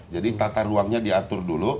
jadi tata ruangnya diatur dulu